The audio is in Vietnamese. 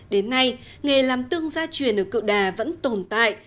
đến nay nghề làm tương gia truyền ở cựu đà vẫn tồn tại